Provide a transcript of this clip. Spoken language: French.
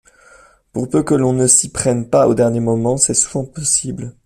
Pour peu que l'on ne s'y prenne pas au dernier moment, c'est souvent possible.